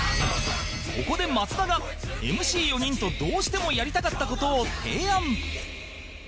ここで松田が ＭＣ４ 人とどうしてもやりたかった事を提案